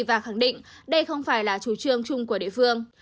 và khẳng định đây không phải là chủ trương chung của địa phương